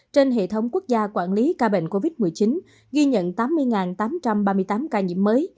trên hệ thống quốc gia quản lý ca bệnh covid một mươi chín ghi nhận tám mươi tám trăm ba mươi tám ca nhiễm mới